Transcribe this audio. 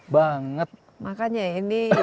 banget makanya ini